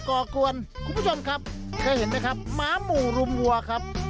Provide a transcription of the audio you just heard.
ก่อกวนคุณผู้ชมครับเคยเห็นไหมครับหมาหมู่รุมวัวครับ